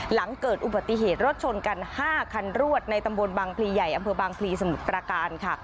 หลังเกิดอุบัติเหตุรถชนกัน๕คันรวดในตำบลบางพลีใหญ่อำเภอบางพลีสมุทรประการค่ะ